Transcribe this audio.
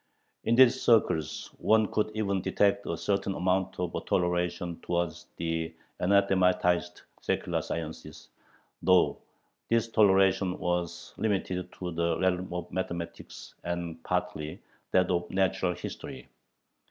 In these circles one could even detect a certain amount of toleration towards the anathematized "secular sciences," though this toleration was limited to the realm of mathematics and partly that of natural history.